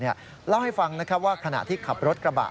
เล่าให้ฟังว่าขณะที่ขับรถกระบะ